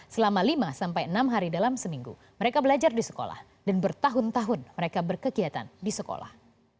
selama lima sampai enam hari dalam seminggu mereka belajar di sekolah dan bertahun tahun mereka berkegiatan di sekolah